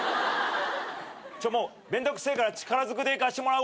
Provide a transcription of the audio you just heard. ちょもうめんどくせえから力ずくでいかしてもらうわ。